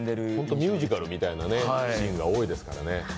ミュージカルみたいなシーンが多いですからね。